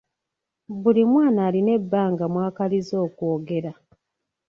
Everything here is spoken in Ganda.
Buli mwana alina ebbanga mw’akaliza okwogera.